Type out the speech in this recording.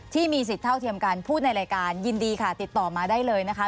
ที่มีสิทธิ์เท่าเทียมกันพูดในรายการยินดีค่ะติดต่อมาได้เลยนะคะ